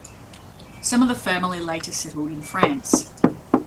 Some of the family later settled in France.